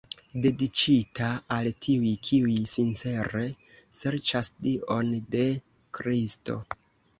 Dediĉita al tiuj, kiuj sincere serĉas Dion de Kristo.